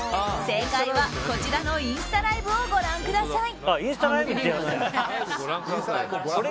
正解は、こちらのインスタライブをご覧ください。